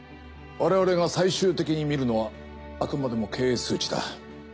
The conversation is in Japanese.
我々が最終的に見るのはあくまでも経営数値だ。